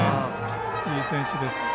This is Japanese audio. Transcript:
いい選手です。